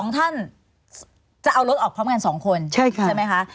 ๒ท่านจะเอารถออกพร้อมกัน๒คนใช่ไหมคะ